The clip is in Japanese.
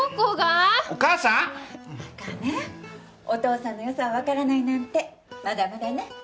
お父さんの良さをわからないなんてまだまだね。